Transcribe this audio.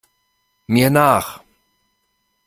Mir nach!